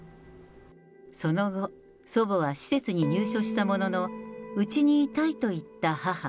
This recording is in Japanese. その後、祖母は施設に入所したもののうちに居たいと言った母。